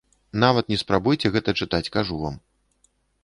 Нават не спрабуйце гэта чытаць, кажу вам.